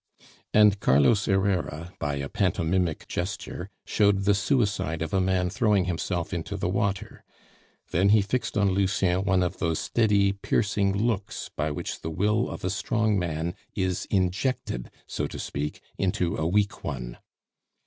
And Carlos Herrera, by a pantomimic gesture, showed the suicide of a man throwing himself into the water; then he fixed on Lucien one of those steady, piercing looks by which the will of a strong man is injected, so to speak, into a weak one.